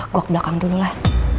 gue ke belakang dulu lah